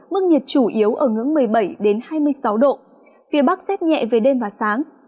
mức nhiệt chủ yếu ở ngưỡng một mươi bảy hai mươi sáu độ phía bắc rét nhẹ về đêm và sáng